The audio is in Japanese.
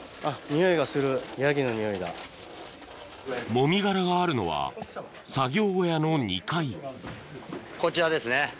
もみ殻があるのは作業小屋の２階こちらですね。